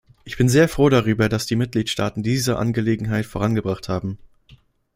Ich bin sehr froh darüber, dass die Mitgliedstaaten diese Angelegenheit vorangebracht haben.